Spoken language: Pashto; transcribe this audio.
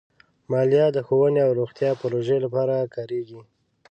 مالیه د ښوونې او روغتیا پروژو لپاره کارېږي.